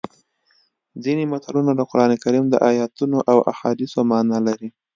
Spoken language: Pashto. ځینې متلونه د قرانکریم د ایتونو او احادیثو مانا لري